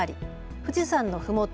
富士山のふもと